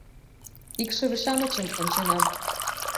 Икшыве-шамычым онченам.